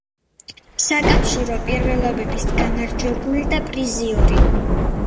საკავშორო პირველობების გამარჯვებული და პრიზიორი.